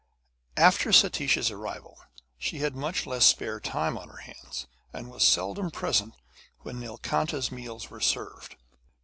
After Satish's arrival she had much less spare time on her hands, and was seldom present when Nilkanta's meals were served.